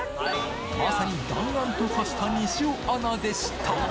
まさに弾丸と化した西尾アナでした。